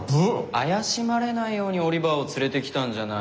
怪しまれないようにオリバーを連れてきたんじゃない。